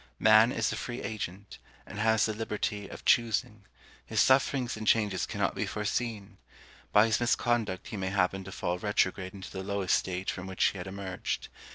Man is a free agent, and has the liberty of choosing; his sufferings and changes cannot be foreseen. By his misconduct he may happen to fall retrograde into the lowest state from which he had emerged.